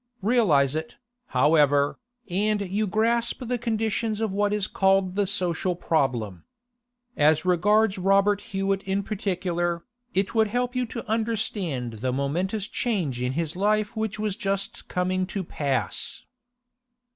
Realise it, however, and you grasp the conditions of what is called the social problem. As regards Robert Hewett in particular, it would help you to understand the momentous change in his life which was just coming to pass.